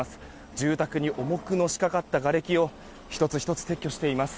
住宅に重くのしかかったがれきを１つ１つ撤去しています。